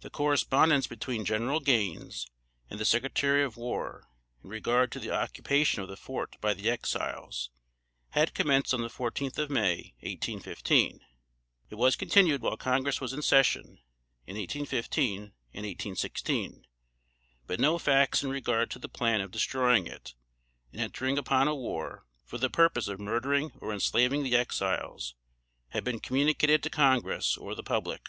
The correspondence between General Gaines and the Secretary of War, in regard to the occupation of the fort by the Exiles, had commenced on the fourteenth of May, 1815. It was continued while Congress was in session, in 1815 and 1816, but no facts in regard to the plan of destroying it, and entering upon a war, for the purpose of murdering or enslaving the Exiles, had been communicated to Congress or the public.